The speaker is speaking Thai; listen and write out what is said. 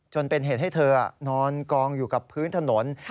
จนเป็นเหตุให้เธอนอนกองอยู่กับพื้นถนน